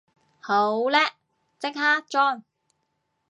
好叻，即刻裝